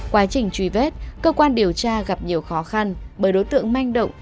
quá trình truy vết cơ quan điều tra gặp nhiều khó khăn bởi đối tượng manh động